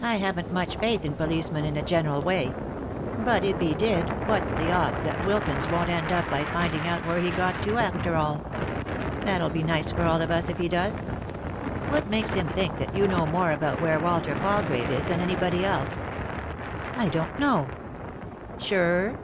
I haven't much faith in police men in a general way ; but if he did, what's the odds that Wilkins won't end up by finding out where he got to after all ? That'll be nice for all of us if he does. What makes bim think that you know more about where Walter Palgrave is than anybody else ?"" I don't know." " Sure